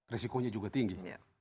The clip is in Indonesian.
risikonya juga tinggi